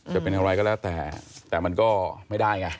จะเป็นอะไรก็แล้วแต่แต่มันก็ไม่ได้ไง